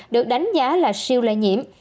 được đánh giá là siêu lây nhiễm